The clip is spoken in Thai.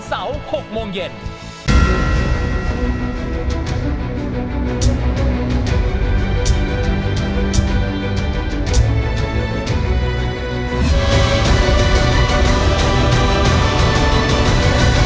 แชมป์กลุ่มนี้คือ